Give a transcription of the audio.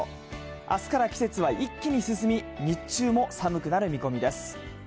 あすから季節は一気に進み、日中も寒くなる見込みです。